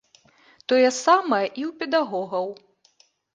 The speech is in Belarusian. Тое самае і ў педагогаў.